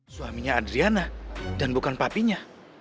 suaminya adriana dan bukan papinya